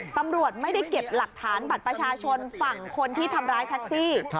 ตำรวจไม่ได้เก็บหลักฐานบัตรประชาชนฝั่งคนที่ทำร้ายแท็กซี่